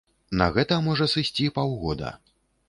На гэта можа сысці паўгода.